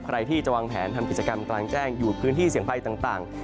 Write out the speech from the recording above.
ใครที่จะวางแผนทำกิจกรรมกลางแจ้งอยู่พื้นที่เสี่ยงภัยต่าง